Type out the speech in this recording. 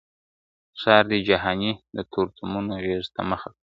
ښار دي جهاني د تورتمونو غېږ ته مخه کړه ..